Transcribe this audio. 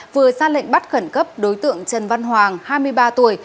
vừa ra lệnh bắt khẩn cấp đối tượng trần văn hoàng hai mươi ba tuổi